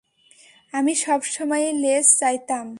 আমি সবসময়ই লেজ চাইতাম।